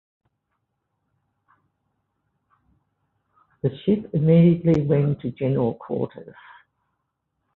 The ship immediately went to general quarters.